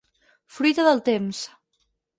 Fruita del temps.